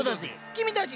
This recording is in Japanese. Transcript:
君たち！